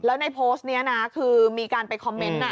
แล้วในโพสต์นี้นะคือมีการไปคอมเมนต์